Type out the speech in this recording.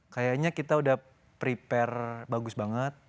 kayaknya kita udah prepare bagus banget